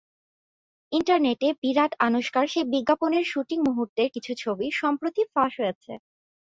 ইন্টারনেটে বিরাট আনুশকার সেই বিজ্ঞাপনের শুটিং মুহূর্তের কিছু ছবি সম্প্রতি ফাঁস হয়েছে।